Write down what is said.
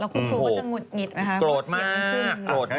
โกรธมาก